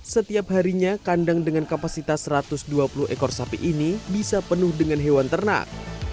setiap harinya kandang dengan kapasitas satu ratus dua puluh ekor sapi ini bisa penuh dengan hewan ternak